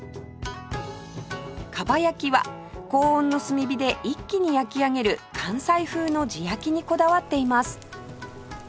蒲焼きは高温の炭火で一気に焼き上げる関西風の地焼きにこだわっています